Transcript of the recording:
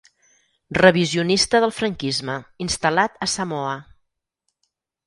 Revisionista del franquisme instal·lat a Samoa.